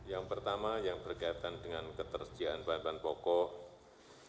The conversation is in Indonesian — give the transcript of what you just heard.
yang pertama yang berkaitan